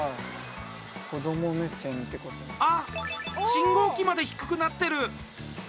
信号機まで低くなってる！